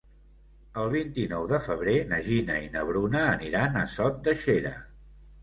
El vint-i-nou de febrer na Gina i na Bruna aniran a Sot de Xera.